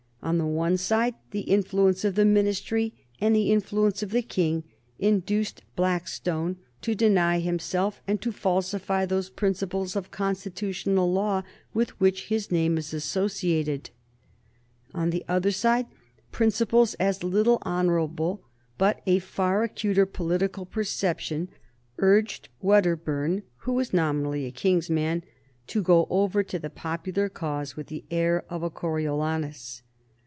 On the one side the influence of the Ministry and the influence of the King induced Blackstone to deny himself and to falsify those principles of constitutional law with which his name is associated. On the other side principles as little honorable but a far acuter political perception urged Wedderburn, who was nominally a King's man, to go over to the popular cause with the air of a Coriolanus.